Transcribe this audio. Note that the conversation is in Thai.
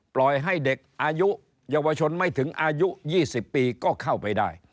ปล่อยให้เด็กอายุเยาวชนไม่ถึงอายุ๒๐ปีก็เข้าไปได้